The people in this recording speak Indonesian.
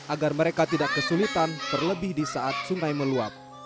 agar mereka tidak kesulitan terlebih di saat sungai meluap